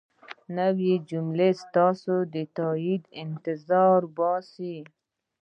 نورې جملې ستاسو د تایید انتظار باسي.